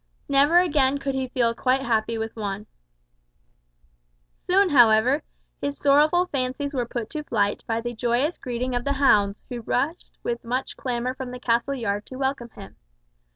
Never again could he feel quite happy with Juan. Soon, however, his sorrowful fancies were put to flight by the joyous greeting of the hounds, who rushed with much clamour from the castle yard to welcome him.